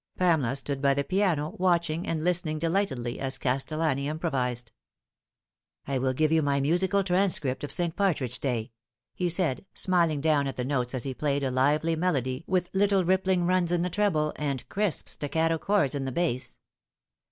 Pamela stood by the piano watching and listening delightedly as Castellani improvised. " I will give you my musical transcript of St. Partridge Day," he said, smiling down at the notes as he played a lively melody with little rippling runs in the treble and crisp staccato chorda in the bass.